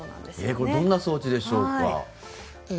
これはどんな装置でしょうか？